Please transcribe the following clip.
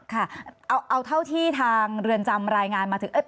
ค่ะเอาเท่าที่ทางเรือนจำรายงานมาถึง